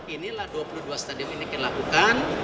inilah dua puluh dua stadion ini yang dilakukan